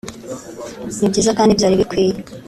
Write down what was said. ni byiza kandi byari bikwiye